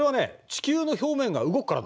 地球の表面が動くから